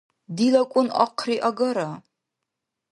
Дилакӏун ахъри агара?